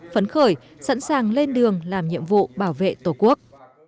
phấn khởi sẵn sàng lên đường làm nhiệm vụ bảo vệ tổ quốc